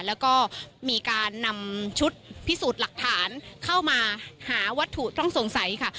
แล้วก็มีการนำชุดพิสูจน์หลักฐานเข้ามาหาวัตถุต้องสงสัยค่ะ